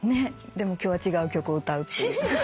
でも今日は違う曲を歌うっていう。